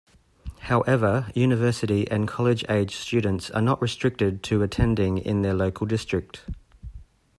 However, university and college-age students are not restricted to attending in their local district.